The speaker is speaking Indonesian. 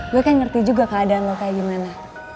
gue kan ngerti juga keadaan lo kayak gimana